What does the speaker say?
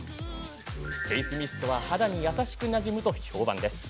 フェースミストは肌に優しくなじむと評判です。